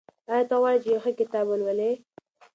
آیا ته غواړې چې یو ښه کتاب ولولې؟